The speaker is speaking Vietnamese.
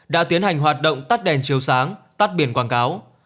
đã tiến hành hoạt động tắt đèn chiếu sáng tắt biển quảng cáo